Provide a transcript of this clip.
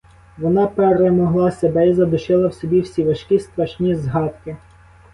Вона перемогла себе й задушила в собі всі важкі страшні згадки.